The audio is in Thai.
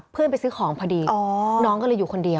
เพื่อนไปซื้อของพอดีน้องก็เลยอยู่คนเดียว